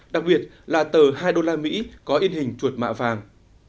đặc biệt là tờ hai đô la mỹ có in hình chuột mạ vàng